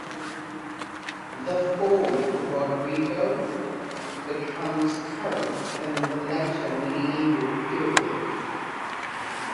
The form "Rodrigo" becomes current in the later medieval period.